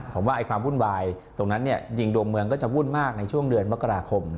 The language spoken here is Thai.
ผมว่าความวุ่นวายตรงนั้นยิงดวงเมืองก็จะวุ่นมากในช่วงเดือนมกราคม